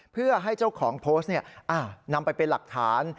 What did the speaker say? เพื่อให้เจ้าของโพสต์นำไปเป็นหลักฐาน